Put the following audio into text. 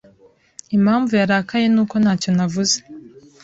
Impamvu yarakaye nuko ntacyo navuze.